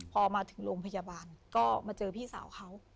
พอมาถึงโรงพยาบาลก็มาเจอพี่สาวเขา